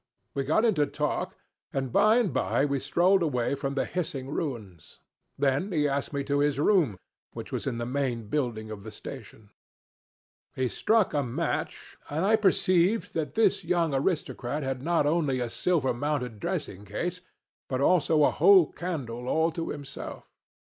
We got into talk, and by and by we strolled away from the hissing ruins. Then he asked me to his room, which was in the main building of the station. He struck a match, and I perceived that this young aristocrat had not only a silver mounted dressing case but also a whole candle all to himself.